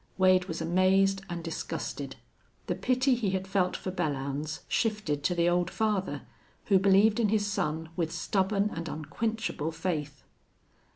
Wade was amazed and disgusted. The pity he had felt for Belllounds shifted to the old father, who believed in his son with stubborn and unquenchable faith.